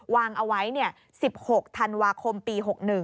วางเอาไว้๑๖ธันวาคมปี๖๑